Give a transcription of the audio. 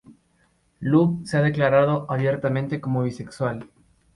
Luv se ha declarado abiertamente como bisexual.